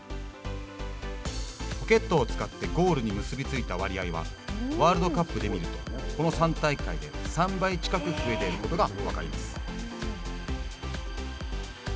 ポケットを使ってゴールに結び付いた割合はワールドカップでみるとこの３大会で３倍近く増えていることが分かります。